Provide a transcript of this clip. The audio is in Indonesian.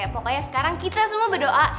pokoknya sekarang kita semua berdoa